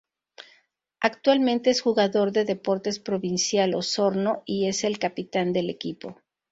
Actualmente es jugador de Deportes Provincial Osorno y es el capitán del equipo.